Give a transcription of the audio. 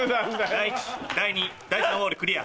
第１第２第３ウォールクリア。